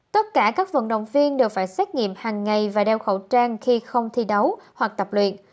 tất cả các vận động viên đều phải xét nghiệm hàng ngày và đeo khẩu trang khi không thi đấu hoặc tập luyện